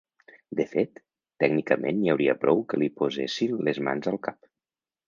De fet, tècnicament n'hi hauria prou que li posessin les mans al cap.